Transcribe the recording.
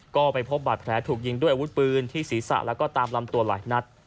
ก็ไปพบบาดแผลถูกยิงด้วยอาวุธปืนที่ศีรษะแล้วก็ตามลำตัวหลายนัด